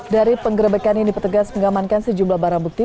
dari pengerebekan yang dipetegas mengamankan sejumlah barang bukti